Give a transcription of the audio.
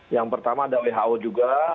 yang pertama ada who juga